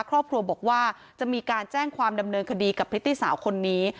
ครอบครัวบอกว่าจะมีการแจ้งความดำเนินคดีกับพริตตี้สาวคนนี้